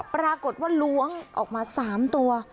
ปรากฏว่าล้วงออกมา๓ตัว